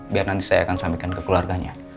biar nanti saya akan sampaikan ke keluarganya